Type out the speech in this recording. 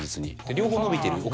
両方伸びてる。